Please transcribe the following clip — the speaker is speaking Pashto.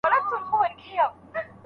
دوی د ازادۍ په اړه خبرې کولې.